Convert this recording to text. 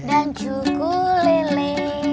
dan cukup lele